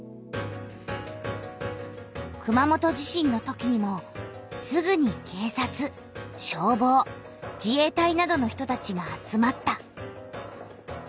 熊本地震のときにもすぐに警察消防自衛隊などの人たちが集まった。